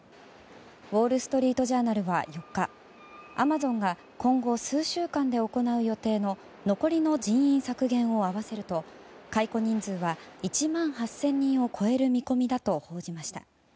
ウォール・ストリート・ジャーナルは４日アマゾンが今後数週間で行う予定の残りの人員削減を合わせると解雇人数は１万８０００人を超える見込みだと報じました。